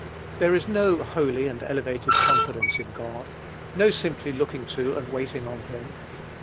There is no holy and elevated confidence in God, no simply looking to and waiting on him.